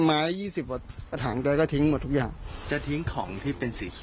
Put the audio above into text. ไม่อยากให้แม่เป็นอะไรไปแล้วนอนร้องไห้แท่ทุกคืน